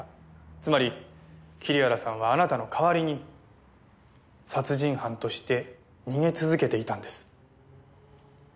つまり桐原さんはあなたの代わりに殺人犯として逃げ続けていたんです。